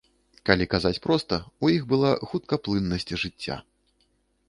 Калі казаць проста, у іх была хуткаплыннасць жыцця.